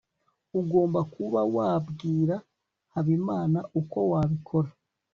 ugomba kuba wabwira habimana uko wabikora